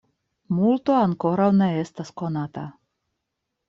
Multo ankoraŭ ne estas konata.